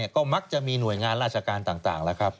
ก็มักจะมีหน่วยงานราชการต่างแล้วครับ